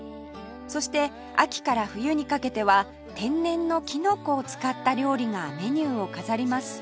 そして秋から冬にかけては天然のきのこを使った料理がメニューを飾ります